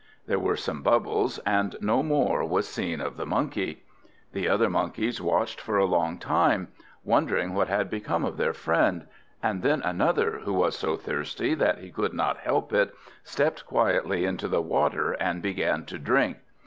There were some bubbles, and no more was seen of the Monkey. The other Monkeys watched for a long time, wondering what had become of their friend; and then another, who was so thirsty that he could not help it, stepped quietly into the water and began to drink.